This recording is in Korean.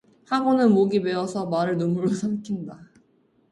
하고는 목이 메어서 말을 눈물로 삼킨다.